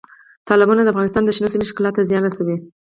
تالابونه د افغانستان د شنو سیمو ښکلا ته زیان رسوي.